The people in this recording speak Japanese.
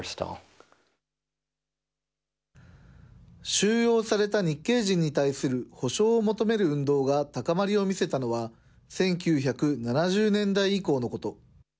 収容された日系人に対する補償を求める運動が高まりを見せたのは、１９７０年代以降のこと。